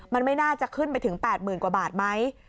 มันไม่น่าจะขึ้นไปถึง๘๐๐๐กว่าบาทไหม